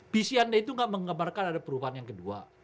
visi anda itu tidak mengembarkan ada perubahan yang kedua